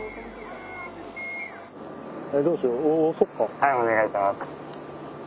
はいお願いします。